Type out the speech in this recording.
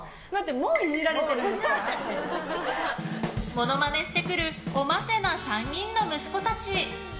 モノマネしてくるおませな３人の息子たち。